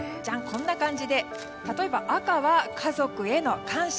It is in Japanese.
例えば赤は家族への感謝